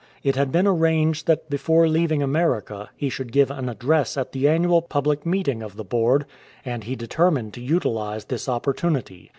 It had been arranged that before leaving America he should give an address at the annual public meeting of the Board, and he determined to utilize this opportunity.